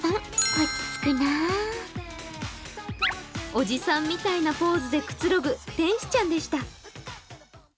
おじさんみたいなポーズでつくろぐ天使ちゃんでした。